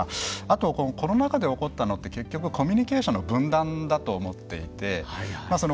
あと、このコロナ禍で起こったのって結局コミュニケーションの分断だと思っていて。